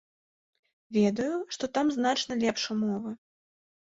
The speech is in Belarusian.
Ведаю, што там значна лепш умовы.